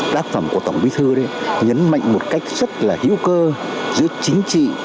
tác phẩm của tổng bí thư nhấn mạnh một cách rất là hữu cơ giữa chính trị